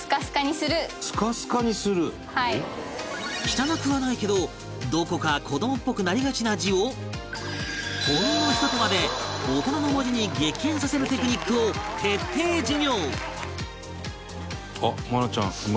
汚くはないけどどこか子どもっぽくなりがちな字をほんのひと手間で大人の文字に激変させるテクニックを徹底授業